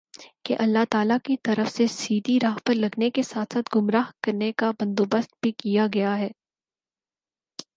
کہ اللہ تعالیٰ کی طرف سے سیدھی راہ پر لگانے کے ساتھ ساتھ گمراہ کرنے کا بندوبست بھی کیا گیا ہے